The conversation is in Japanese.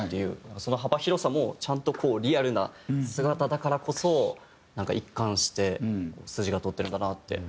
その幅広さもちゃんとこうリアルな姿だからこそ一貫して筋が通っているんだなって思いました。